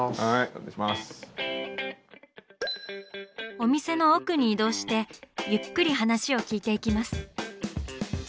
お店の奥に移動してゆっくり話を聞いていきます。